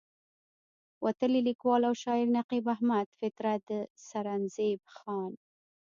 وتلے ليکوال او شاعر نقيب احمد فطرت د سرنزېب خان